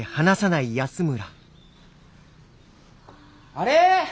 あれ？